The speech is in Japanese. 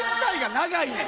長いねん！